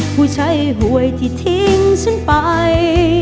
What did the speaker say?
ผู้ใช้หวยที่ทิ้งฉันไป